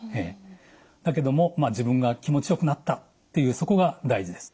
だけども自分が気持ちよくなったっていうそこが大事です。